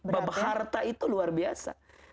bab harta itu luar biasa